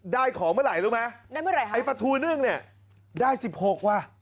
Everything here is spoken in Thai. ได้ของเมื่อไหร่รู้ไหมประทูนึ่งได้๑๖ว่ะ